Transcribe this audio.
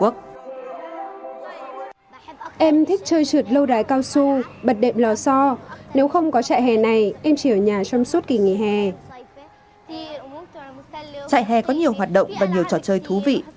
trại hè có nhiều hoạt động và nhiều trò chơi thú vị